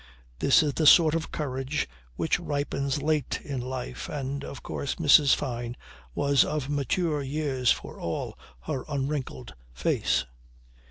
This is the sort of courage which ripens late in life and of course Mrs. Fyne was of mature years for all her unwrinkled face.